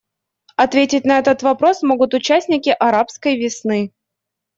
Ответить на этот вопрос могут участники «арабской весны».